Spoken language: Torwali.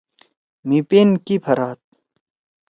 مھی پِن کی پھراد؟